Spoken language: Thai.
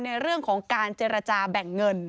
ในเรื่องของการเจรจาแบ่งเงิน